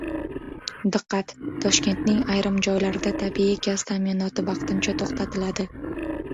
Diqqat: Toshkentning ayrim joylarida tabiiy gaz ta’minoti vaqtincha to‘xtatiladi